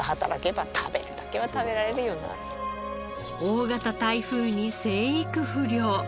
大型台風に生育不良。